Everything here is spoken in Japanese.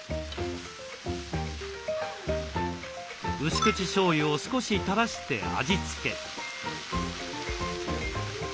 薄口しょうゆを少したらして味付け。